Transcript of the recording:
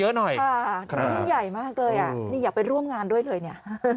ยิ่งใหญ่มากเลยอ่ะนี่อยากไปร่วมงานด้วยเลยเนี่ย